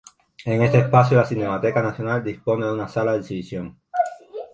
En este espacio la Cinemateca Nacional dispone de una sala de exhibición.